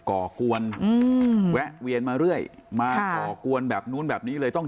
ก่อกวนอืมแวะเวียนมาเรื่อยมาก่อกวนแบบนู้นแบบนี้เลยต้อง